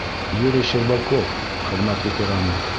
Юрий ЩЕРБАКОВ, хеҙмәт ветераны: